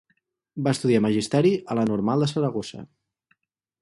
Va estudiar Magisteri a la Normal de Saragossa.